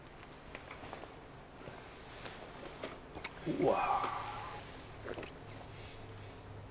うわ。